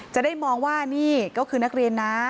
จะได้มองว่านี่ก็คือนักเรียนนะ